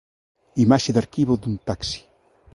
Imaxe de arquivo dun taxi.